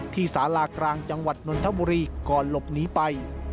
สารากลางจังหวัดนนทบุรีก่อนหลบหนีไป